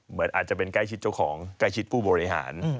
เหมือนอาจจะเป็นใกล้ชิดเจ้าของใกล้ชิดผู้บริหาร